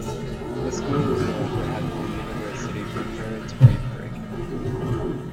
The school was known for having a university preparatory curriculum.